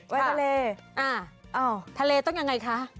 ไปทะเลทะเลต้องอย่างไรคะ